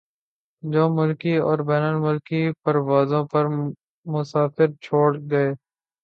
جو ملکی اور بین الاقوامی پروازوں پر مسافر چھوڑ گئے